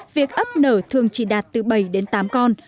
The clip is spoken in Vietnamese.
việc ấp nở thường chỉ đạt từ bảy đến tám con